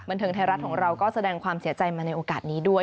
เทิงไทยรัฐของเราก็แสดงความเสียใจมาในโอกาสนี้ด้วย